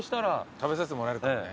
食べさせてもらえるかもね。